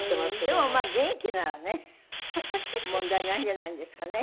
でもまあ元気ならね問題ないんじゃないんですかね。